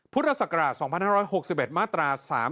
พุทธศักราช๒๕๖๑มาตรา๓๔